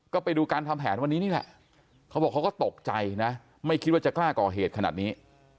ก็ไปดูการทำแผนวันนี้นี่แหละเขาบอกเขาก็ตกใจนะไม่คิดว่าจะกล้าก่อเหตุขนาดนี้